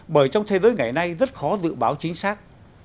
bởi trong thế giới ngày nay rất khó dự báo chính xác